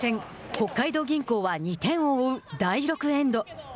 北海道銀行は２点を追う第６エンド。